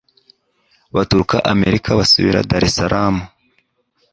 Baturuka Amerika basubira Daresalamu